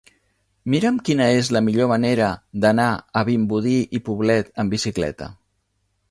Mira'm quina és la millor manera d'anar a Vimbodí i Poblet amb bicicleta.